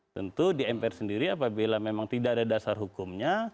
tentu di mpr sendiri apabila memang tidak ada dasar hukumnya